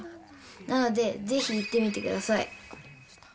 なのでぜひ行ってみてください。